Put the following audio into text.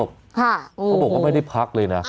เขาบอกว่าไม่ได้พักเลยนะ